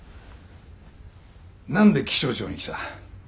何で気象庁に来た？